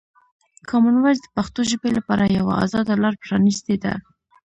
کامن وایس د پښتو ژبې لپاره یوه ازاده لاره پرانیستې ده.